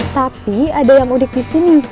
tapi ada yang mudik di sini